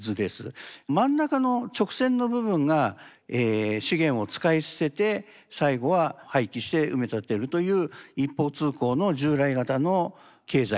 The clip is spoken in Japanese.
真ん中の直線の部分が資源を使い捨てて最後は廃棄して埋め立てるという一方通行の従来型の経済の姿ですよね。